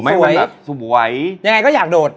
ไม่เห็นแบบสวยยังไงก็อยากโดด